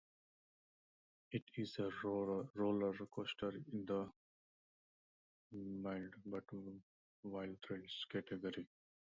It is a roller coaster in the "Mild But Wild Thrills" category.